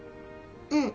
うん。